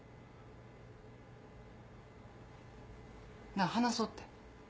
なあ話そうって。